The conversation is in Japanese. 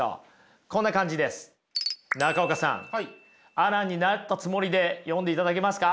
アランになったつもりで読んでいただけますか。